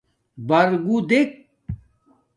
بَرگُݸ دݵک.